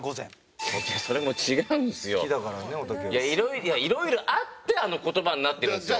いやいろいろあってあの言葉になってるんですよ。